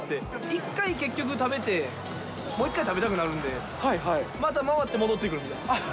一回、結局食べて、もう一回食べたくなるんで、また回って戻ってくるみたいな。